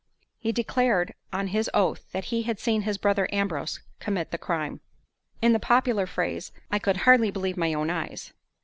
He declared on his oath that he had seen his brother Ambrose commit the crime. In the popular phrase, I could "hardly believe my own eyes."